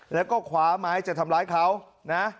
แล้วก็คว้าไม้จะทำร้ายเขานะ